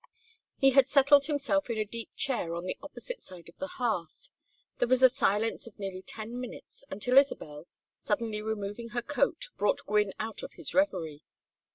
He had settled himself in a deep chair on the opposite side of the hearth. There was a silence of nearly ten minutes, until Isabel, suddenly removing her coat, brought Gwynne out of his reverie.